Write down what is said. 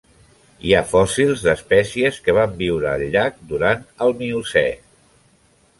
Hi ha fòssils d'espècies que van viure al llac durant el Miocè.